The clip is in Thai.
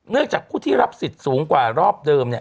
เนื่องจากผู้ที่รับสิทธิ์สูงกว่ารอบเดิม